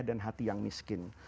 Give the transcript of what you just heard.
dan hati yang miskin